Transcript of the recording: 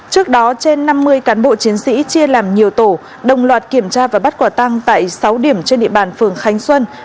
trước đó trên năm mươi cán bộ chiến sĩ chia làm nhiều tổ đồng loạt kiểm tra và bắt quả tăng tại sáu điểm trên địa bàn phường khánh xuân